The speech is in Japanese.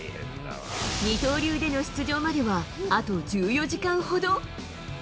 二刀流での出場まではあと１４時間ほど。